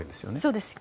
そうです。